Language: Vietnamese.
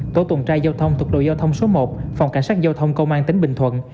tổ tuần tra giao thông thuộc đội giao thông số một phòng cảnh sát giao thông công an tỉnh bình thuận